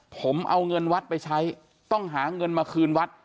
ผมเอาเงินวัดไปใช้ต้องหาเงินมาคืนวัด